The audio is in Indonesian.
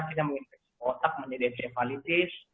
kita menginfeksi otak menjadi encefalitis